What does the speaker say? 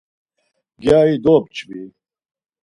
Gyari dop̌ç̌vi.